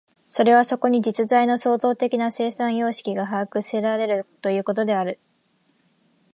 それはそこに実在の創造的な生産様式が把握せられるということである。